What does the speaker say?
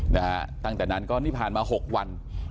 นะฮะตั้งแต่นั้นก็นี่ผ่านมา๖วัน